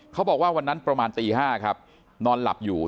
เขาบอกว่าวันนั้นประมาณตี๕ครับนอนหลับอยู่